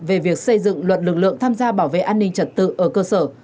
về việc xây dựng luật lực lượng tham gia bảo vệ an ninh trật tự ở cơ sở